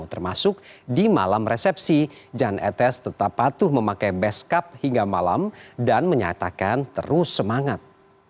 termasuk di malam resepsi jan etes tetap patuh memakai beskap hingga malam dan menyatakan terus semangat